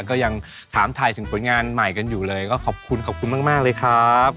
ก็ยังถามถ่ายถึงผลงานใหม่กันอยู่เลยก็ขอบคุณขอบคุณมากเลยครับ